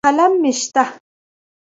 قلم مې شته.